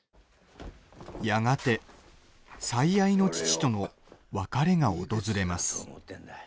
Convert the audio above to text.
やがて最愛の父との別れが訪れます。